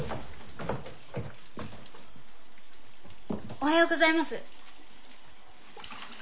おはようございます。